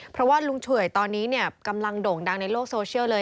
เพราะว่าลุงเฉื่อยตอนนี้เนี่ยกำลังโด่งดังในโลกโซเชียลเลย